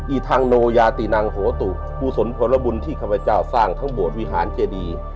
อธังโนยาตินังโหตุกุศลพลบุญที่ข้าพเจ้าสร้างทั้งโบสถวิหารเจดี